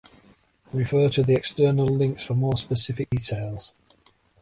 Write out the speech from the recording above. Refer to the external links for more specific details.